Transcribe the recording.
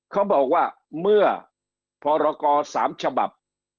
เขาบอกว่าเมื่อพรกร๓ฉบับ